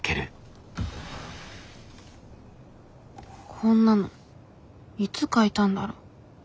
こんなのいつ書いたんだろ。